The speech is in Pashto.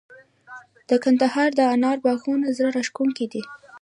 د کندهار د انارو باغونه زړه راښکونکي دي.